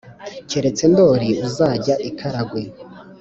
keretse ndori uzajya i karagwe